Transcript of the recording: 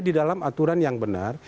di dalam aturan yang benar